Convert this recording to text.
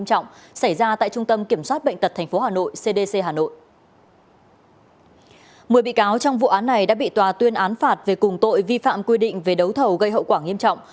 một mươi bị cáo trong vụ án này đã bị tòa tuyên án phạt về cùng tội vi phạm quy định về đấu thầu gây hậu quả nghiêm trọng